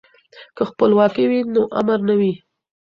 که خپلواکي وي نو امر نه وي.